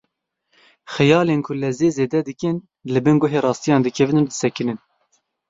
Xeyalên ku lezê zêde dikin, li bin guhê rastiyan dikevin û disekinin.